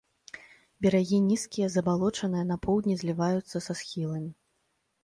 Берагі нізкія, забалочаныя, на поўдні зліваюцца са схіламі.